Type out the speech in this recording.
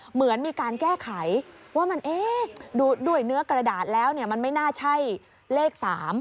เหมือนมีการแก้ไขว่ามันด้วยเนื้อกระดาษแล้วมันไม่น่าใช่เลข๓